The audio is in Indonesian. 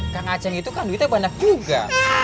kang aceh itu kan duitnya banyak juga